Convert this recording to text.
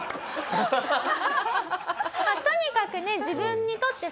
とにかくね自分にとってはい